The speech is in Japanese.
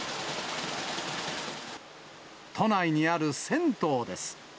都内にある銭湯です。